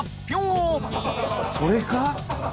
それか？